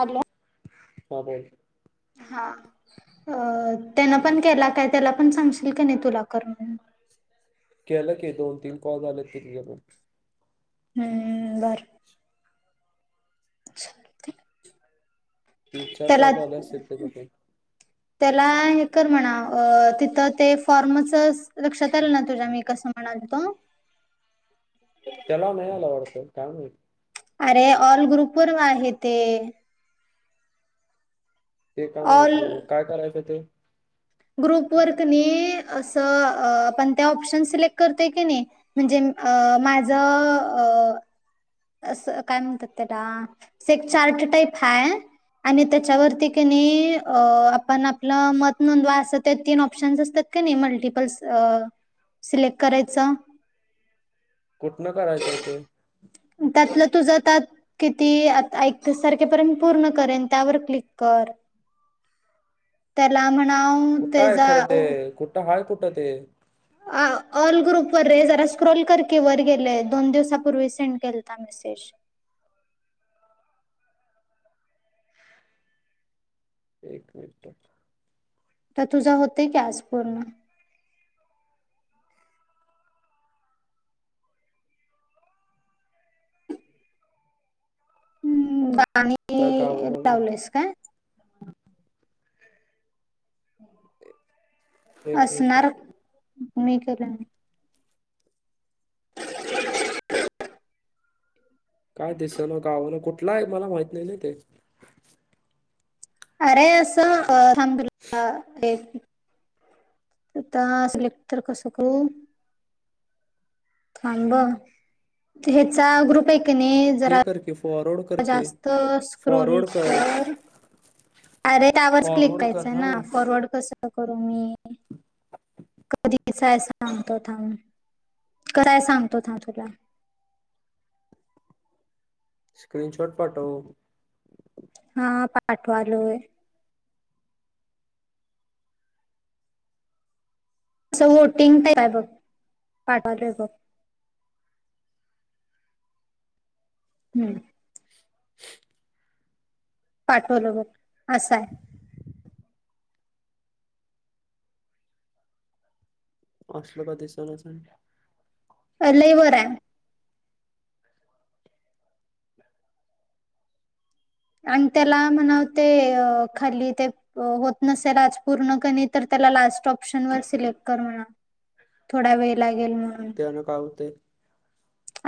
आल्या. हा बोल? हा, अ त्यान पण केला काय त्याला पण सांगशील कनी तुला कर म्हणून. केला की दोन तीन कॉल झालेत तिज पण. हम्म बर. चालतय. तीन चार कॉल झाले असेल त्याज पण. त्याला हे कर म्हणाव अ तिथं ते फॉर्मच च लक्षात आलन तुज्या मी कसं म्हणालतो? त्याला नाही आला वाटतं, काय माहीत? अरे ऑल ग्रुप वर आहे ते. ते का ऑल माहीत नाही म काय करायचं ते? ग्रुपवर कणी असं आपण त्या ऑप्शन सिलेक्ट करतोय कनी? म्हणजे अ माझं अ असं काय म्हणत्यात तेला, अस एक चार्ट टाईप हाय. आणि त्याच्यावरती कणी अ आपण आपलं मत नोंदवा असं ते तीन ऑप्शन्स असत्यात. कणी मल्टिपल्स, सिलेक्ट करायचं. कुठनं करायचं आहे ते? त्यातलं तुझं आतात किती आता एकतीस तारखेपर्यंत पूर्ण करेन त्यावर क्लिक कर. त्याला म्हणा कुठं हाय खर ते, कुठं हाय कुठं ते? ऑल ग्रुप वर रे, जरा स्क्रोल कर की वर गेलेय दोन दिवसापूर्वी सेंड केलता. हा मेसेज एक मिनट त तुझं होतेय की आज पूर्ण हम्म आणि काय तू गावाला नाही लावलस काय? एक मिनिट असणार मी केलय. काय दिसन, गावना कुठला आहे मला माहित नाही न ते अरे अस अ ठाम तुला हे आता सिलेक्टर तर कसं करू? थांब अ ह्याचा ग्रुप आहे क नी हेे कर की फॉरवर्ड क जास्त स्क्रोल कर. अरे त्यावरच क्लिक फॉरवर्ड कर करायचं ना न, फॉरवर्ड कसं करू मी? कधी [unintelligible] सांगतो थांब, कराया सांगतो थांब तुला. स्क्रीनशॉट पाठव. हा पाठवालोय. असं वोटिंग ते काय बघ पाठवालय बघ. हम्म [inaudible] पाठवल बघ असाय. असल का दिसना सं लय वर आहे. आणि त्याला म्हणाव ते खाली ते होत नसेल आज पूर्ण का नी, तर त्याला लास्ट ऑप्शन वर सिलेक्ट कर म्हणा. थोडा वेळ लागेल म तेनं काय होते?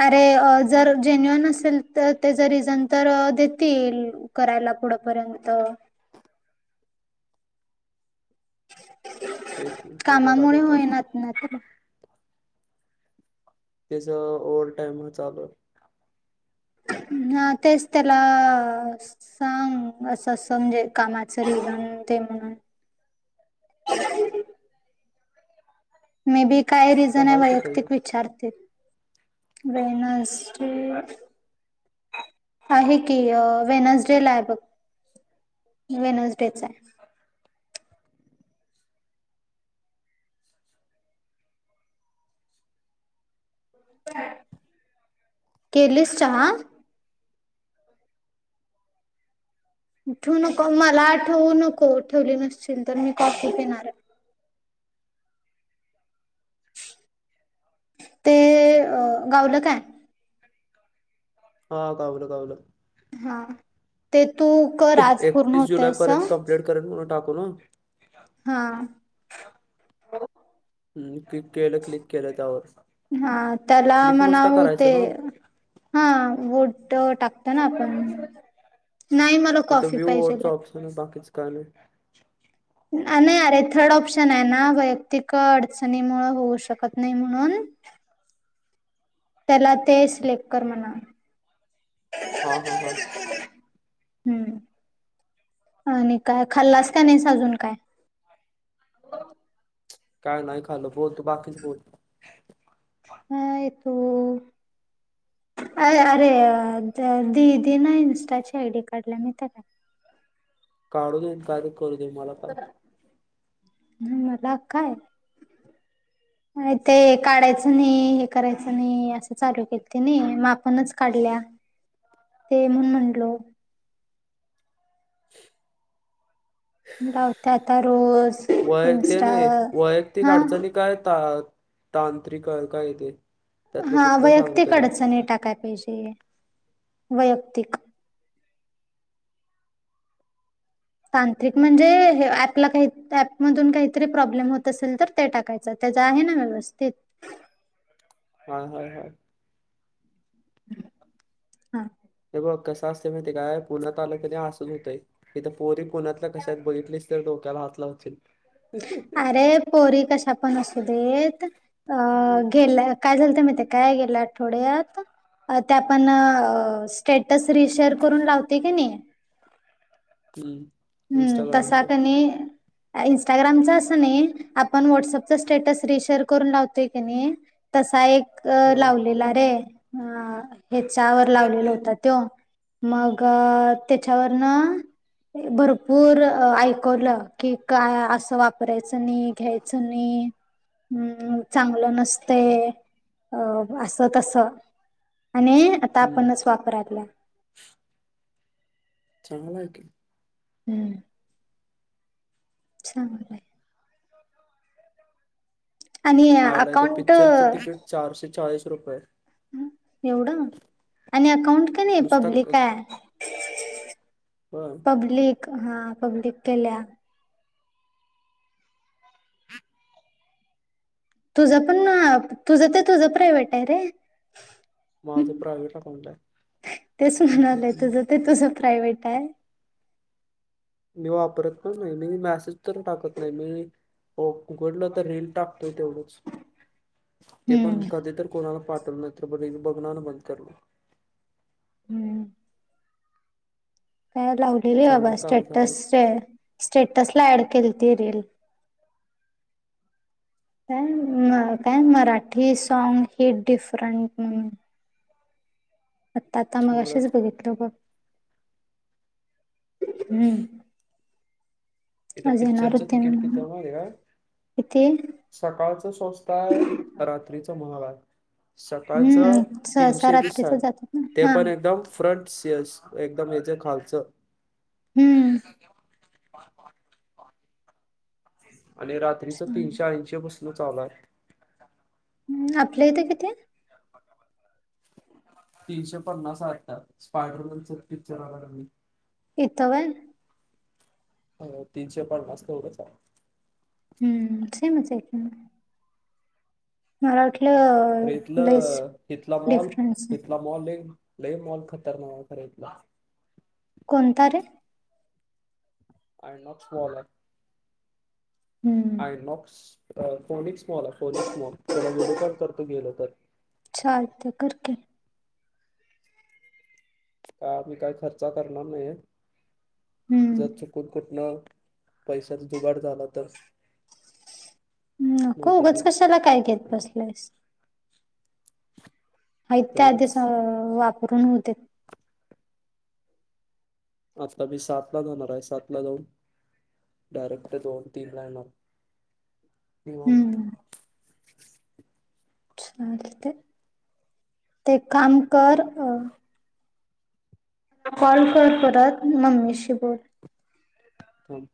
अरे जर अ जेन्युअन असेल तर त्याच रिझन तर देतील करायला पुढपर्यंत. एक मिनिट बघायला कामामुळे येतो होय ना त न तेल. त्याचं ओव्हर टाइम अ चालूय. हा तेच त्याला सांग अस अस म्हणजे कामाचं दे म्हणून. [unintelligible] मे बी काय कुठं रिझन आहे हाय कुठं ह्यो? वैयक्तिक विचारतील. वेनस डे आहे की वेनसडे ला आहे बघ, वेनसडेच आहे. केलीस चहा? उ ठेऊ नको मला ठेवू नको ठेवली नसतील तर, मी कॉफी पिणार आहे. ते अ गावलं काय? हा गावल गावलं. हा ते तू कर आज पूर्ण होतंयसा. करण वर टाकू ना हा का हम्म क्लिक केलं क्लिक केलं त्यावर हा त्याला क्लिक नुसता म्हणाव ते करायचं ना हा वोट टाकतो ना आपण नाही मग इथं व्ह्यू वोटचं ऑप्शन आहे बाकीचं काय नाही नाही नाही अरे थर्ड ऑप्शन आहे ना वैयक्तिक अडचणीमूळ होऊ शकत नाही म्हणून त्याला ते सिलेक्ट कर म्हणा. हा हा हा. हम्म आणि काय खाल्लास का नाही सा अजून काय काय नाही खाल्ल बोल तू बाकीच बोल काय तू अरे अरे अह दिदी ना इन्स्टाची आयडी काढल्या माहितीय काढून दे अन काय बी करू दे मला काय. हम्म मला काय [inaudible] अह ते काढायचं नाही हे करायचं नाही असं चालू केेलती नाइ म आपणच काढल्या ह [inaudible] ते म्हणून म्हटलो. [inaudible] लावते आता रोज वय ते इन्स्टा नाही वैयक्तिक हा अडचणी काय त तांत्रिक काय ते त्यातलं हा कुठलं सांगू वैयक्तिक त्याला? अडचणी टाकाय पाहिजे वैयक्तिक तांत्रिक म्हणजे ऍपला काही ऍप मधून काहीतरी प्रॉब्लेम होत असेल तर ते टाकायच. च त्याचा आहे ना व्यवस्थित? हा हाय हाय. हा. हे बघ कसं असतय माहित आहे काय पूर्ण तालुक्याने अस लिहितेय. इथ पोरी पुण्यातल्या कश्याहायीत बघितलीस तर डोक्याला हात लावशील. अरे पोरी कशा पण असू देत अह गेल्या काय झालत माहीतीये काय गेल्या आठवड्यात अह ते आपण अह स्टेटस रिशेअर करून लावतेय की नाही हम्म. हम्म तसा इंस्टाग्रामचं त्यांनी इन्स्टाग्रामचा असं नाही आपण व्हॉट्सअपचा स्टेटस रिशेअर करून लावतोय की नाही तसा एक हा लावलेला रे. अह हेच्यावर लावलेल होता त्यो मग त्याच्यावर ना भरप पूर ऐकवलं की काय असं वापरायच नाही, घ्यायच नाही. हम्म चांगलं नसतय अह असं तस आणि आता हम्म आपणच वापराल्या चांगल आहे की. हम्म. चांगल आहे. आणि आयला इथं अकाउंट पिक्चरच तिकीट चारशे चाळीस रुपये आहे. एवढं आणि अकाउंट का नाही नुसता पब्लिक आहे. बर. पब्लिक हां पब्लिक केल्या तुझं पण, तुझं ते तुझं प्रायव्हेट आहे रे माझ प्रायव्हेट अकाउंट आहे. तेच म्हणालय तुझं ते तुझं प्रायव्हेटाय. मी वापरत पण नाही, नाही मी मेसेज तर टाकत नाही. मी उघडलं तर रील टाकतोय तेवढंच, ते पण हम्म कधी तर कोणाला पाठवल ना [unintelligible] रिल बघणार न बंद करणार. हम्म. काय लावलेली बाबा चांगलं काम झालं स्टेटस स्टेटस ला ऍड केलती रिल. काय म काय मराठी साँग हे डिफरंट म्हणून. आता चांगलं मगाशीच बघितलं बघ. हम्म. इथं आज येणार पिकच्चरचं होते तिकीट किती म्हणून आहे माहितीय काय? किती सकाळचं स्वस्थ आहे, रात्रीचं महाग आहे. सकाळचं हम्म सहसा तीनशे वीस रात्रीच हाय, जातात ना ते हा पण एकदम फ्रंट्स येस एकदम याच खालचं. हम्म आणि रात्रीच तीनशे ऐंशीे पासन चालूय. आपल्या इथं कितीय? तीनशे पन्नास हाय वाटतं. स्पायडरमनच पिक्चर आला कनी इथं व्हय? हो तीनशे पन्नास तेवढंचाय. हम्म, हाय ना स्वस्थ मग. मला वाटलं तर लईच इथलं हितला मॉल डिफरन्स आहे हितला मॉल लई, लई मॉल खतरनाक हाय खरं हितला. कोणता रे? आयनॉक्स मॉल हाय. हम्म आयनॉक्स अं फोनिकस मॉल हाय फोनिकस मॉल, तुला व्हिडिओ कॉल करतो गेलो तर चालतय कर की. काय आम्ही काय खर्चा करणार नाहीे, जर हम्म कुठं कुठनं पैशाचा जुगाड झाला तर नको नाहीतर उगंच नाही कशाला काय घेत बसलायस. हायत ते आधी तेवढंच वापरून हू देत. आता मी सात ला जाणाराय, सात ला जाऊन डायरेक्ट दोन, तीन ला येणारं निवांत. हम्म ते एक काम कर अं कॉल कर परत मम्मीशी बोल. थांब.